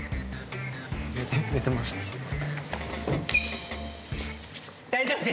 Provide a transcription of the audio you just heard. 寝てもらっていいですか？